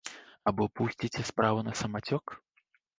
Або пусціце справу на самацёк?